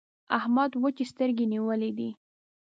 احمد وچې سترګې نيولې دي.